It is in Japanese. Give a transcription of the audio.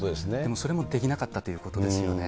それもできなかったということですよね。